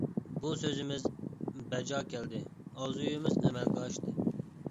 بۇ سۆزىمىز بەجا كەلدى، ئارزۇيىمىز ئەمەلگە ئاشتى.